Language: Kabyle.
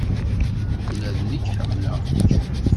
Ula d nekk ḥemmleɣ-k.